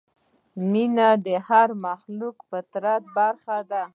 مینه د هر مخلوق د فطرت برخه ده.